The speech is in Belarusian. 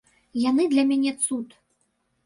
Яны для мне цуд.